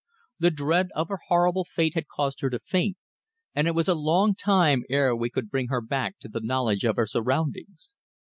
The dread of her horrible fate had caused her to faint, and it was a long time ere we could bring her back to the knowledge of her surroundings.